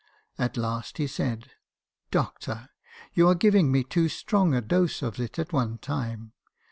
At last he said, 'Doc tor! you're giving me too strong a dose of it at one time.